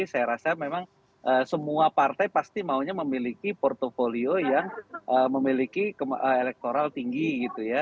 saya rasa memang semua partai pasti maunya memiliki portfolio yang memiliki elektoral tinggi gitu ya